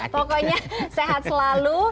pokoknya sehat selalu